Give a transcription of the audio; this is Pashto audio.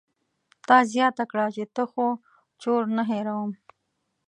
تا زياته کړه چې ته خو چور نه هېروم.